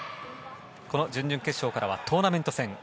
この準々決勝からはトーナメント戦。